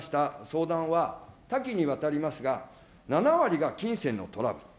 相談は多岐にわたりますが、７割が金銭のトラブル。